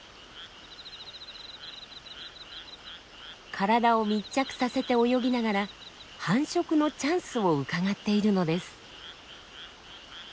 体を密着させて泳ぎながら繁殖のチャンスをうかがっているのです。